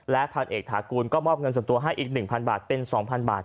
พันเอกถากูลก็มอบเงินส่วนตัวให้อีก๑๐๐บาทเป็น๒๐๐บาท